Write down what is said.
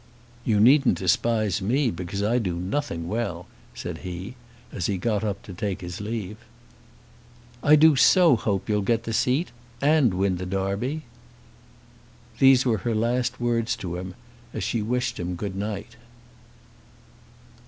"You needn't despise me, because I do nothing well," said he, as he got up to take his leave. "I do so hope you'll get the seat, and win the Derby." These were her last words to him as she wished him good night.